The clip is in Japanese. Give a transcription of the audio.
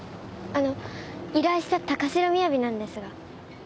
あの依頼した高城雅なんですが。